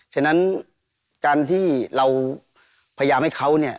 ฉะนั้นการที่เราพยายามให้เขาเนี่ย